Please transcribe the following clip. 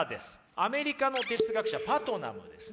アメリカの哲学者パトナムですね。